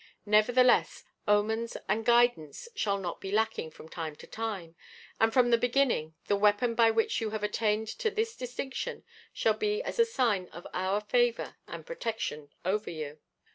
Nevertheless, omens and guidance shall not be lacking from time to time, and from the beginning the weapon by which you have attained to this distinction shall be as a sign of our favour and protection over you."